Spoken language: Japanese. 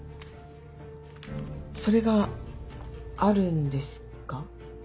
それがあるんですか？